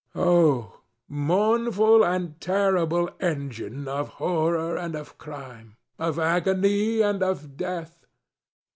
ŌĆöoh, mournful and terrible engine of Horror and of CrimeŌĆöof Agony and of Death!